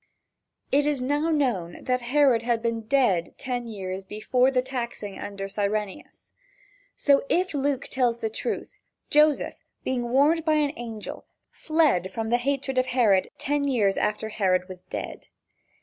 It is now known that Herod had been dead ten years before the taxing under Cyrenius. So, if Luke tells the truth, Joseph, being warned by an angel, fled from the hatred of Herod ten years after Herod was dead.